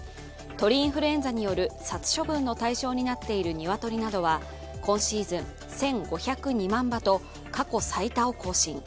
鳥インフルエンザによる殺処分の対象になっている鶏などは、今シーズン１５０２万羽と過去最多を更新。